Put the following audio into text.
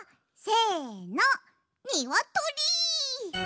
にわとり！